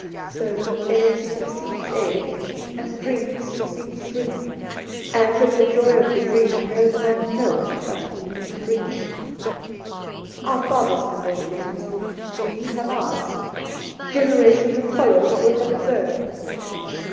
So age succeeds age, and dream succeeds dream, and of the joy of the dreamer no man knoweth but he who dreameth. Our fathers had their dream; we have ours; the generation that follows will have its own.